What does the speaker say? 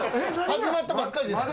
始まったばっかりです。